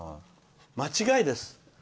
間違いです。